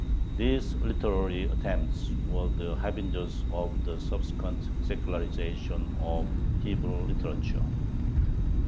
These literary attempts were the harbingers of the subsequent secularization of Hebrew literature.